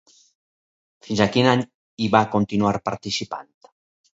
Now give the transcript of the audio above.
Fins a quin any hi va continuar participant?